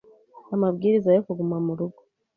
amabwiriza yo kuguma mu rugo